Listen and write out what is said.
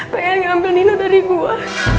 pengen ngambil nina dari gue